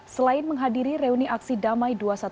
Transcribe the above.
selain menghadiri reuni aksi damai dua ratus dua belas